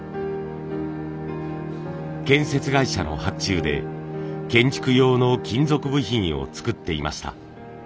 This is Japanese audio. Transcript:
建設会社の発注で建築用の金属部品を作っていました。